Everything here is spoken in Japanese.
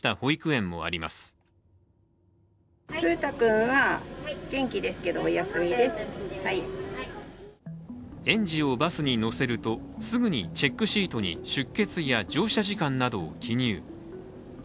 園児をバスに乗せると、すぐにチェックシートに出欠や乗車時間などを記入。